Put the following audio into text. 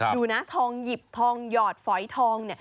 ดูนะทองหยิบทองหยอดฝอยทองเนี่ย